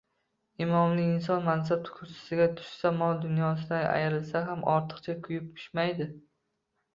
Imonli inson mansab kursisidan tushsa, mol-dunyosidan ayrilsa ham ortiqcha kuyib-pishmaydi